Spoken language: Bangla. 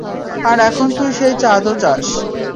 আর এখন তুই সেই চাঁদ ও চাস?